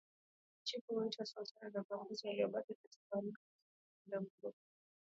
Chifu huitwa Sultana na wa viongozi waliobaki huitwa Wagoli ila mke wa Mndewa Mkulu